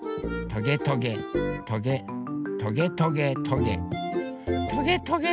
トゲトゲトゲトゲトゲトゲ！